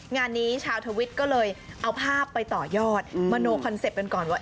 งานนี้ชาวทวิตก็เลยเอาภาพไปต่อยอดมโนคอนเซ็ปต์กันก่อนว่า